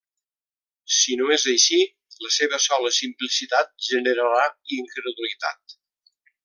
Si no és així, la seva sola simplicitat generarà incredulitat.